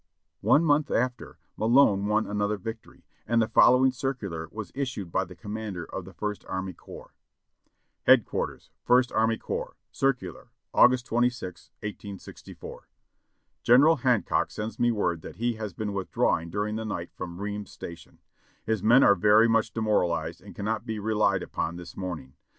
(Ibid, Vol. 40, p. 468.) One month after, ]\Iahone won another victory, and the fol lowing circular was issued by the commander of the First Army Corps : "Headquarters ist Army Corps, "Circular: Aug. 26th, 1864. "General Hancock sends me word that he has been withdraw ing during the night from Ream's Station. His men are very much demoralized and cannot be relied upon this morning.